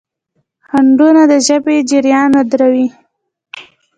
خنډونه د ژبې جریان ودروي.